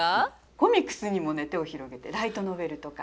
コミックスにも手を広げてライトノベルとか。